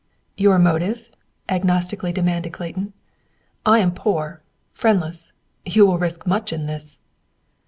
"Your motive?" agnostically demanded Clayton. I am poor, friendless; you will risk much in this."